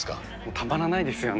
たまらないですよね。